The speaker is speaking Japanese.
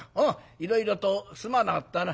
いろいろとすまなかったな。